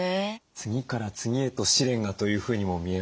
次から次へと試練がというふうにも見えましたよね。